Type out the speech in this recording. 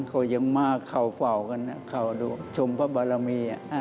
เขายังมาเข้าเฝ้ากันเข้าชมพระบารมี